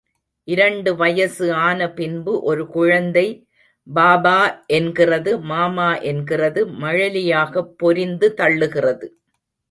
இரண்டு வயசு ஆன பின்பு ஒரு குழந்தை பாபா என்கிறது மாமா என்கிறது மழலையாகப் பொரிந்து தள்ளுகிறது.